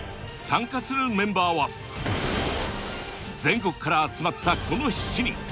参加するメンバーは全国から集まったこの７人。